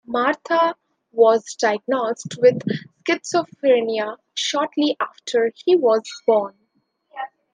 Martha was diagnosed with schizophrenia shortly after he was born.